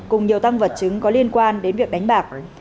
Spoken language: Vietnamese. cùng nhiều tăng vật chứng có liên quan đến việc đánh bạc